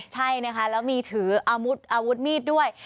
ใช่นะคะแล้วมีถืออาวุธมีดด้วย